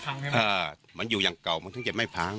ครับมันอยู่อย่างเก่ามันต้องจะไม่ผ้าง